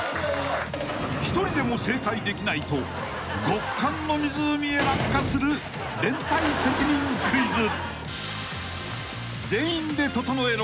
［一人でも正解できないと極寒の湖へ落下する連帯責任クイズ］